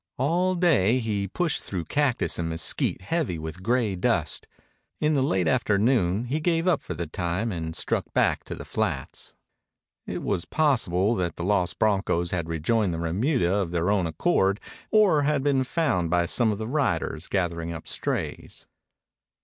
All day he pushed through cactus and mesquite heavy with gray dust. In the late afternoon he gave up for the time and struck back to the flats. It was possible that the lost broncos had rejoined the remuda of their own accord or had been found by some of the riders gathering up strays.